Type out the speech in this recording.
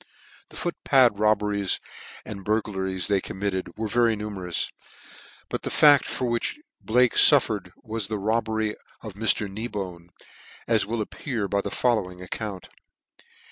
The foot pad robberies and burglaries they committed were very numerous , but the fact for which Blake fullered was the robbery of Mr. Kneebone, as will appear by the following account.